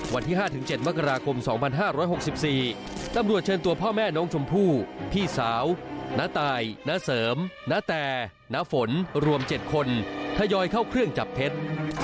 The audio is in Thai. วันที่๕๗มกราคม๒๕๖๔ตำรวจเชิญตัวพ่อแม่น้องชมพู่พี่สาวน้าตายณเสริมณแต่น้าฝนรวม๗คนทยอยเข้าเครื่องจับเท็จ